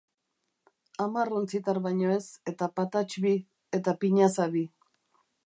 Hamar ontzitzar baino ez, eta patatx bi, eta pinaza bi.